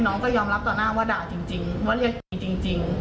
น้องก็ยอมรับต่อหน้าว่าด่าจริงว่าเรียกจริง